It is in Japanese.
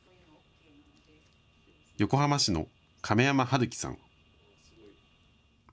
横浜市の亀山晴生さん。